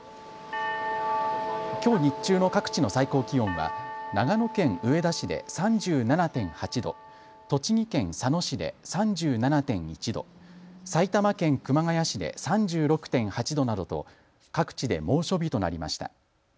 きょう日中の各地の最高気温は長野県上田市で３７．８度、栃木県佐野市で３７．１度、埼玉県熊谷市で３６．８度などと各地で猛暑日となりました。